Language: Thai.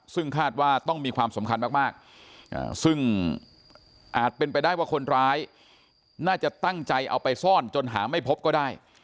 ซึ่งคาดว่าต้องมีความสำคัญมากซึ่งอาจเป็นไปได้ว่าคนร้ายน่าจะตั้งใจเอาไปซ่อนจนหาไม่พบก็ได้